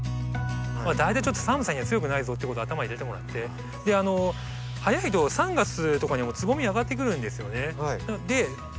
大体ちょっと寒さには強くないぞっていうことを頭入れてもらって早いと３月とかにはもうつぼみあがってくるんですよね。